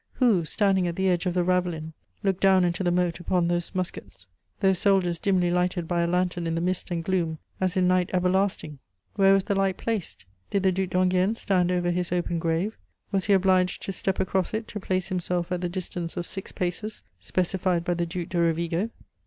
Who, standing at the edge of the ravelin, looked down into the moat upon those muskets, those soldiers dimly lighted by a lantern in the mist and gloom, as in night everlasting? Where was the light placed? Did the Duc d'Enghien stand over his open grave? Was he obliged to step across it to place himself at the distance of "six paces" specified by the Duc de Rovigo.